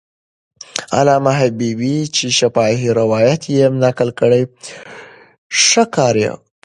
علامه حبیبي چې شفاهي روایت یې نقل کړ، ښه کار یې وکړ.